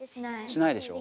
しないでしょ？